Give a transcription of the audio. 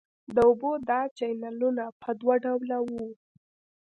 د اوبو دا چینلونه په دوه ډوله وو.